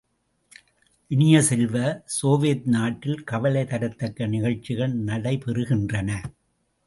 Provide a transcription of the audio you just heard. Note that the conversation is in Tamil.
இனிய செல்வ, சோவியத் நாட்டில் கவலை தரத்தக்க நிகழ்ச்சிகள் நடைபெறுகின்றன.